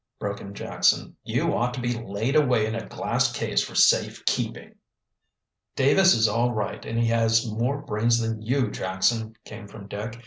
broke in Jackson. "You ought to be laid away in a glass case for safe keeping." "Davis is all right, and he has more brains than you, Jackson," came from Dick.